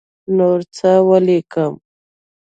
نور څه ولیکم.